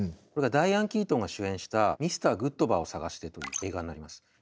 これがダイアン・キートンが主演した「ミスター・グッドバーを探して」という映画になります。